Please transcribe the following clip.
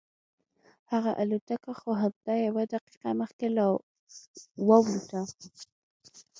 هغه الوتکه خو همدا یوه دقیقه مخکې والوتله.